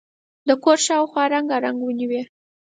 د کور شاوخوا رنګارنګ ونې وې.